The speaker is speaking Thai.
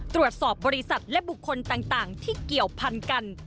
ตรวจสอบบริษัทและบุคคลต่างที่เกี่ยวพันกัน